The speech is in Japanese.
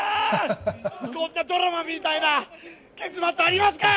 こんなドラマみたいな結末、ありますか？